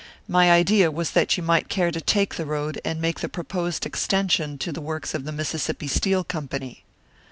My idea was that you might care to take the road, and make the proposed extension to the works of the Mississippi Steel Company."